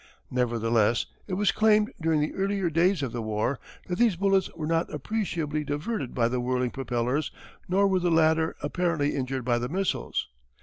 Nevertheless it was claimed during the earlier days of the war that these bullets were not appreciably diverted by the whirling propellers nor were the latter apparently injured by the missiles.